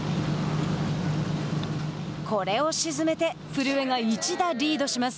これを沈めて古江が１打リードします。